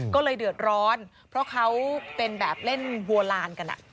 ก็เลยเดือดร้อนเพราะเขาเป็นแบบเล่นบัวลานกัน